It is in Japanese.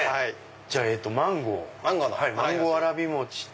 じゃあマンゴーマンゴーわらび餅と。